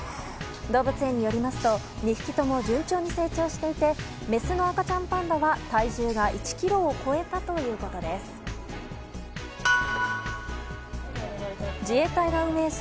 動物園によりますと２匹とも順調に成長していてメスの赤ちゃんパンダの体重が１ｋｇを超えたということです。